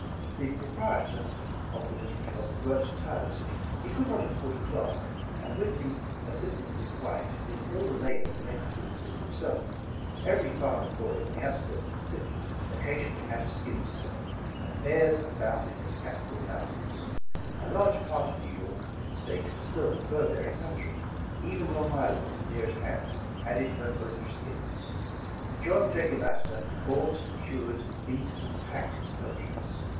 The proprietor of the little shop worked tire lessly. He could not afford a clerk, and with the as sistance of his wife, did all the labor connected with the business himself. Every farmer's boy on the out 72 Starting in Business skirts of the city, occasionally had a skin to sell, and bears abounded in the Catskill Mountains. A large part of New York State was still a fur bearing coun try. Even Long Island, near at hand, added her quota of skins. John Jacob Astor bought, cured, beat and packed his peltries.